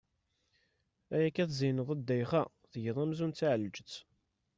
Ayakka tzeyneḍ a Ddayxa, tgiḍ amzun d taɛelǧet!